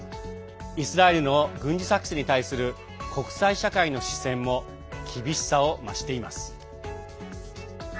イスラエルの軍事作戦に対する国際社会の視線も厳しさを増しています。